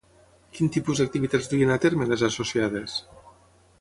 Quin tipus d'activitats duien a terme, les associades?